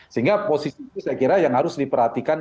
sehingga posisi itu saya kira yang harus diperhatikan